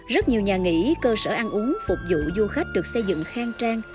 rất nhiều nhà nghỉ cơ sở ăn uống phục vụ du khách được xây dựng khang trang